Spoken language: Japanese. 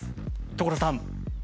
所さん！